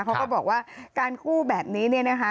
เขาก็บอกว่าการคู่แบบนี้เนี่ยนะคะ